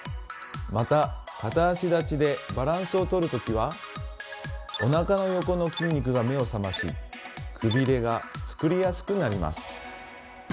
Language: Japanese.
また片足立ちでバランスをとる時はおなかの横の筋肉が目を覚ましくびれが作りやすくなります。